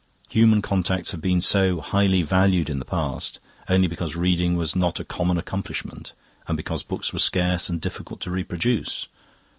Human contacts have been so highly valued in the past only because reading was not a common accomplishment and because books were scarce and difficult to reproduce.